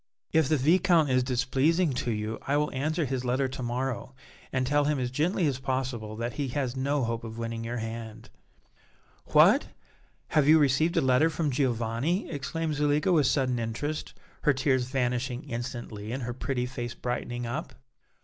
If the Viscount is displeasing to you I will answer his letter to morrow and tell him as gently as possible that he has no hope of winning your hand." "What! have you received a letter from Giovanni?" exclaimed Zuleika, with sudden interest, her tears vanishing instantly and her pretty face brightening up.